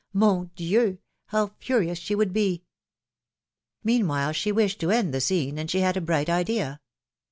Mon Dieu! how furious she would be !" Meanwhile she wished to end the scene, and she had a bright idea.